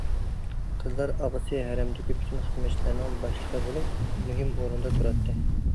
قىزلار ئاغىسى، ھەرەمدىكى پۈتۈن خىزمەتچىلەرنىڭ باشلىقى بولۇپ، مۇھىم ئورۇندا تۇراتتى.